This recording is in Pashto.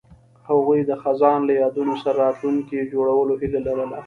هغوی د خزان له یادونو سره راتلونکی جوړولو هیله لرله.